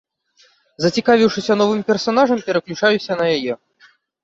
Зацікавіўшыся новым персанажам, пераключаюся на яе.